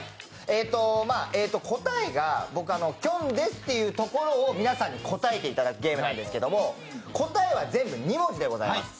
答えがきょんですというところを皆さんに答えていただくゲームなんですけれども答えは全部２文字でございます。